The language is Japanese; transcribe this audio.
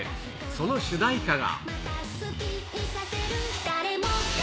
その主題歌が。